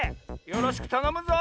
よろしくたのむぞ！